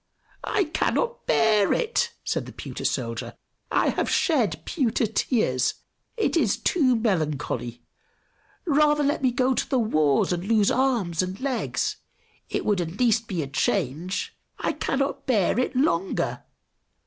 "I cannot bear it!" said the pewter soldier. "I have shed pewter tears! It is too melancholy! Rather let me go to the wars and lose arms and legs! It would at least be a change. I cannot bear it longer!